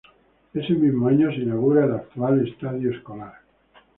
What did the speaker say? Ese mismo año se inaugura el actual estadio escolar.